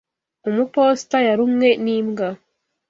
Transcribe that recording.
Umuposita yarumwe n'imbwa.